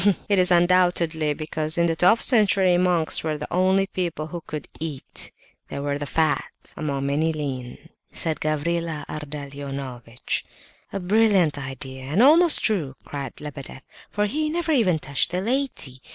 "It is undoubtedly because, in the twelfth century, monks were the only people one could eat; they were the fat, among many lean," said Gavrila Ardalionovitch. "A brilliant idea, and most true!" cried Lebedeff, "for he never even touched the laity.